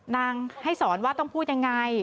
ให้สอนว่าต้องพูดยังไง